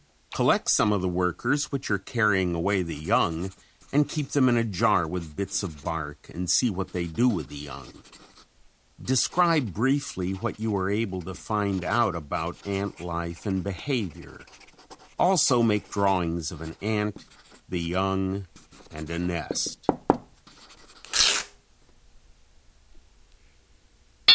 Collect some of the workers which are carrying away the young and keep them in a jar with bits of bark and see what they do with the young. Describe briefly what you are able to find out about ant life and behavior; also make drawings of an ant, the young and a nest.